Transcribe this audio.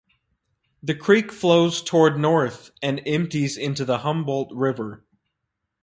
The creek flows toward North and empties into the Humboldt River.